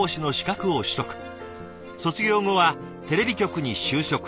卒業後はテレビ局に就職。